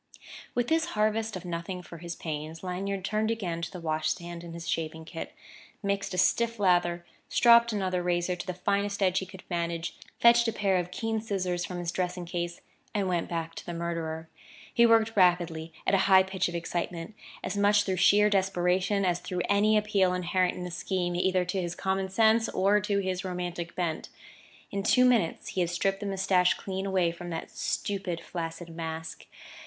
With this harvest of nothing for his pains, Lanyard turned again to the wash stand and his shaving kit, mixed a stiff lather, stropped another razor to the finest edge he could manage, fetched a pair of keen scissors from his dressing case, and went back to the murderer. He worked rapidly, at a high pitch of excitement as much through sheer desperation as through any appeal inherent in the scheme either to his common sense or to his romantic bent. In two minutes he had stripped the moustache clean away from that stupid, flaccid mask.